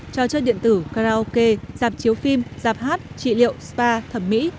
trò chơi điện tử karaoke giảm chiếu phim giảm hát trị liệu spa thẩm mỹ